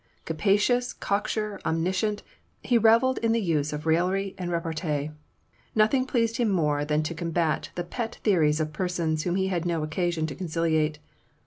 Captious, cocksure, omniscient, he revelled in the uses of raillery and of repartee. Nothing pleased him more than to combat the pet theories of persons whom he had no occasion to conciliate.